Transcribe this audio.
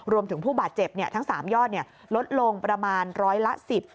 รวมถึงผู้บาดเจ็บทั้ง๓ยอดลดลงประมาณร้อยละสิบ